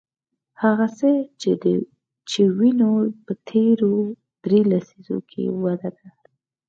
هغه څه چې وینو په تېرو درې لسیزو کې وده ده.